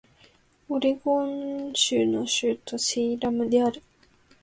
オレゴン州の州都はセイラムである